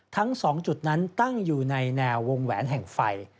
ทั้ง๒จุดนั้นตั้งอยู่ในแนววงแหวนแห่งไฟ